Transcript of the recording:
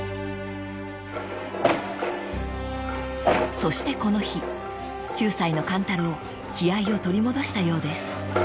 ［そしてこの日９歳の勘太郎気合を取り戻したようです］